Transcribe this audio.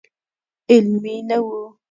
علمي نه و.